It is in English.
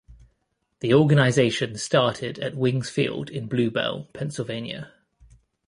The organization started at Wings Field in Blue Bell, Pennsylvania.